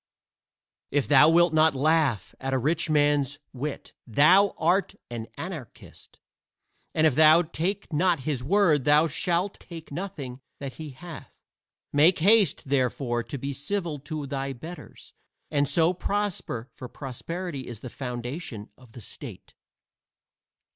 If thou wilt not laugh at a rich man's wit thou art an anarchist, and if thou take not his word thou shalt take nothing that he hath. Make haste, therefore, to be civil to thy betters, and so prosper, for prosperity is the foundation of the state.